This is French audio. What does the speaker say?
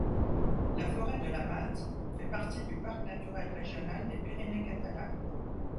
La forêt de la Matte fait partie du parc naturel régional des Pyrénées catalanes.